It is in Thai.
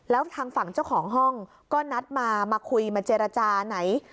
แล้วทางฝั่งเจ้าของห้องก็นัดมามาคุยมาเจรจาไหน